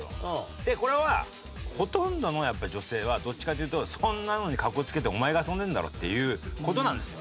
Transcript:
でこれはほとんどの女性はどっちかというとそんなのにかこつけてお前が遊んでるんだろっていう事なんですよ